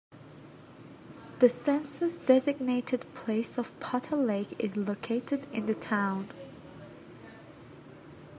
The census-designated place of Potter Lake is located in the town.